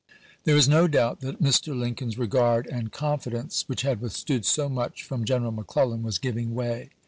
There is no doubt that Mr. Lincoln's regard and confidence, which had withstood so much from General McClellan, was giving way.